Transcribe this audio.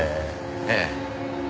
ええ。